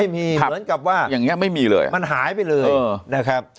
มันหายไปเลยนะครับ